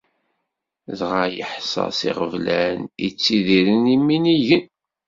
Dɣa yeḥsa s yiɣeblan i ttidiren yiminigen.